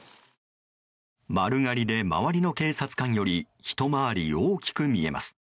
丸刈りで周りの警察官よりひと回り大きく見えます。